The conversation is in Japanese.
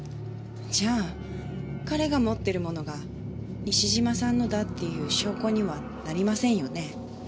じゃあ彼が持ってるものが西島さんのだっていう証拠にはなりませんよね？